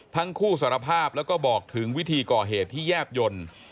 ทั้งคู่สารภาพแล้วก็บอกถึงวิธีก่อเหตุที่แยบยนต์